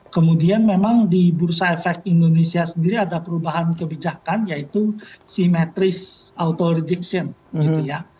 kemudian memang di bursa efek indonesia sendiri ada perubahan kebijakan yaitu simetris auto rediction gitu ya